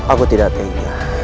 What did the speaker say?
aku tidak ingin